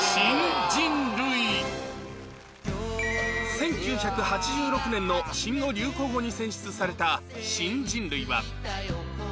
１９８６年の新語・流行語に選出された新人類は